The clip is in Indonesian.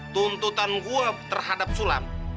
tuntutan gue terhadap sulam